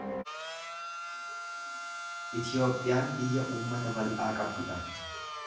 Itiyoophiyaan biyya uummata bal'aa qabdu dha.